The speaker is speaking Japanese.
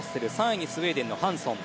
３位にスウェーデンのハンソン。